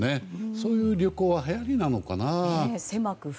そういう旅行ははやりなのかな。